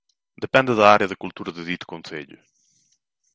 Depende da área de cultura de dito concello.